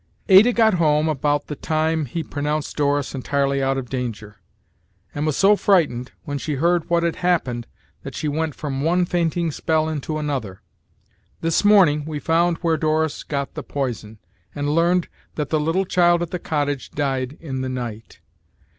"Ada got home about the time he pronounced Doris entirely out of danger, and was so frightened when she heard what had happened that she went from one fainting spell into another. This morning we found where Doris got the poison, and learned that the little child at the cottage died in the night.